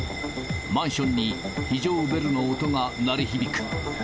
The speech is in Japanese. マンションに非常ベルの音が鳴り響く。